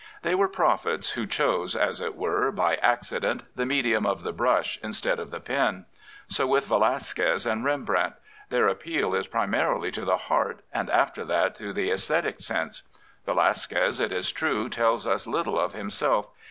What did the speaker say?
They were prophets who chose, as it were, by accident, the medium of the brush instead of the pen. So with Velasquez and Rembrandt. Their appeal is primarily to the heart and after that to the Aesthetic sense. Velasquez, it is true, tells us little of himself.